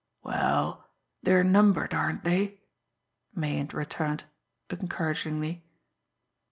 "Well, they're numbered, aren't they?" Meighan returned encouragingly.